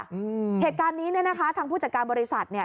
อืมเหตุการณ์นี้เนี่ยนะคะทางผู้จัดการบริษัทเนี่ย